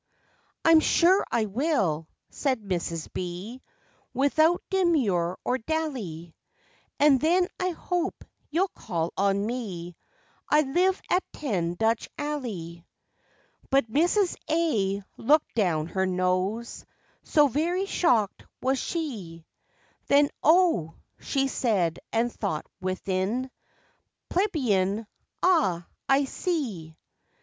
"I'm sure I will," said Mrs. B. Without demur or dally, "And then I hope you'll call on me, I live at '10 Dutch Alley.' " But Mrs. A. looked down her nose, So very shocked was she Then, O, she said and thought within, "Plebian, Ah, I see."